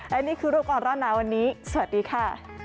และนี่คือรูปก่อนร้อนหนาวันนี้สวัสดีค่ะ